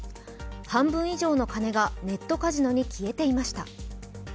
半分以上の金がネットカジノに消えていました。